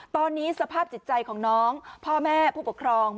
ตอนนี้สภาพจิตใจของน้องพ่อแม่ผู้ปกครอง